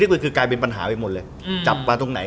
ได้เป็นปัญหาไปหมดเลย